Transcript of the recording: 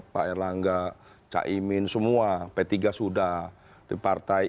pak erlangga caimin semua p tiga sudah di partai